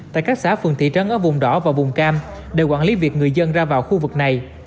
tại các xã phường thị trấn ở vùng đỏ và vùng cam để quản lý việc người dân ra vào khu vực này